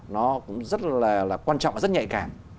nó cũng rất là quan trọng và rất nhạy cảm